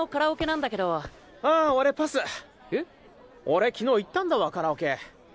俺昨日行ったんだわカラオケ。